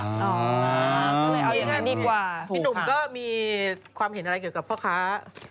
พี่หนุ่มก็มีความเห็นอะไรเกี่ยวกับพ่อค้า